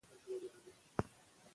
آیا تاسې هره ورځ ښوونځي ته ځئ؟